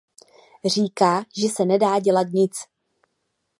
Říká, že se nedá dělat nic.